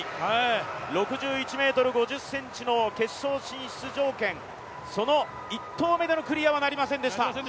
６１ｍ５０ｃｍの決勝進出条件、その１投目でのクリアはなりませんでした。